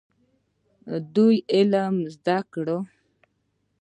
دوی ته علم زده کړئ